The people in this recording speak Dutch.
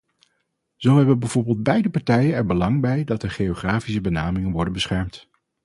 Zo hebben bijvoorbeeld beide partijen er belang bij dat de geografische benamingen worden beschermd.